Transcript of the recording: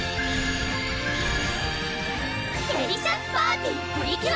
デリシャスパーティプリキュア！